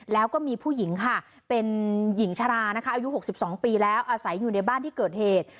แล้วก็มีผู้หญิงค่ะเป็นหญิงชรานะคะอายุ๖๒ปีแล้วอาศัยอยู่ในบ้านที่เกิดเหตุ